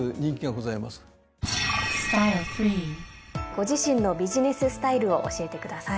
ご自身のビジネススタイルを教えてください。